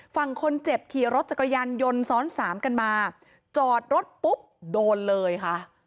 ฝั่งคนเจ็บขี่รถจักรยานยนต์ซ้อนสามกันมาจอดรถปุ๊บโดนเลยค่ะ